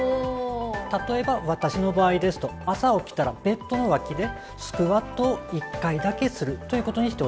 例えば私の場合ですと朝起きたらベッドの脇でスクワットを１回だけするということにしております。